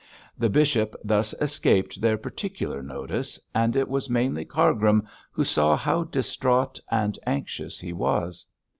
The bishop thus escaped their particular notice, and it was mainly Cargrim who saw how distraught and anxious he was.